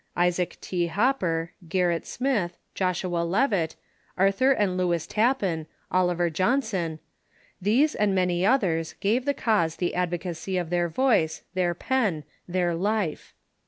Isaac T. Hopper, Gerrit Smith, Joshua Leavitt, Arthur and Lewis Tappan, Oliver Johnson — these and many others gave the cause the advocacy of their voice, their pen, their life.